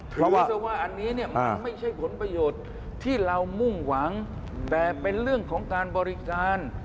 เพราะว่าเชื่อว่าอันนี้เนี่ยมันไม่ใช่ผลประโยชน์ที่เรามุ่งหวังแต่เป็นเรื่องของการบริการ